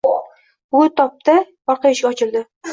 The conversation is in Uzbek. Shu tobda orqa eshigi ochildi.